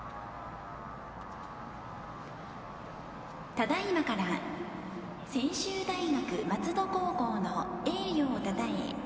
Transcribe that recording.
ただいまから専修大学松戸高校の栄誉をたたえ